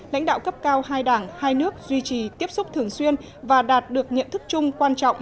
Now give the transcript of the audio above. lãnh đạo cấp cao hai đảng hai nước duy trì tiếp xúc thường xuyên và đạt được nhận thức chung quan trọng